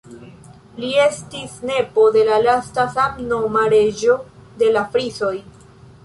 Li estis nepo de la lasta samnoma Reĝo de la Frisoj.